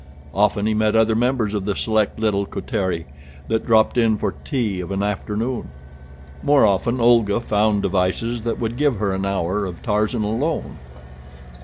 Often he met other members of the select little coterie that dropped in for tea of an afternoon. More often Olga found devices that would give her an hour of Tarzan alone.